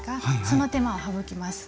その手間を省きます。